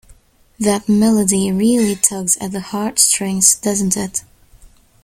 That melody really tugs at the heartstrings, doesn't it?